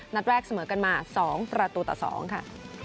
นัดแรกเสมอกันมา๒ประตูต่อ๒ค่ะ